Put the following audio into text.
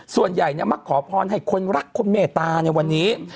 ส่วนใหญ่มาขอพรให้คนรักคนเมตตาในวันนี้